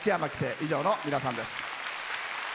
以上の皆さんです。